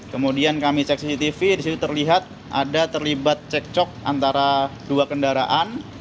kemudian kami cek cctv disitu terlihat ada terlibat cek cok antara dua kendaraan